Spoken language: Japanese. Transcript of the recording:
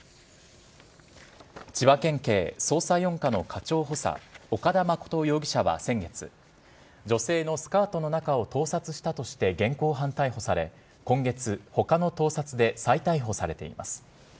千葉県警捜査４課の課長補佐、岡田誠容疑者は先月、女性のスカートの中を盗撮したとして現行犯逮捕され、今月、ほかの盗撮で再逮捕されています。